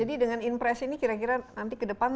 jadi dengan impresi ini kira kira nanti ke depan